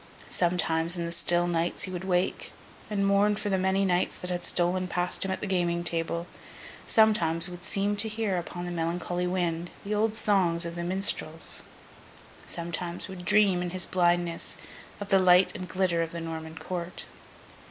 Sometimes, in the still nights, he would wake, and mourn for the many nights that had stolen past him at the gaming table; sometimes, would seem to hear, upon the melancholy wind, the old songs of the minstrels; sometimes, would dream, in his blindness, of the light and glitter of the Norman Court.